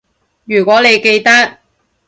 如果你記得